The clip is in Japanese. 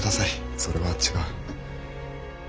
それは違う。